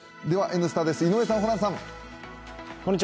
「Ｎスタ」です、井上さん、ホランさん。